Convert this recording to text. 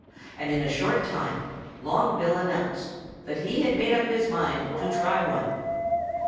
And in a short time Long Bill announced that he had made up his mind to try one.